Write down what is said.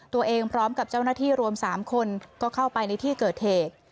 พร้อมกับเจ้าหน้าที่รวม๓คนก็เข้าไปในที่เกิดเหตุ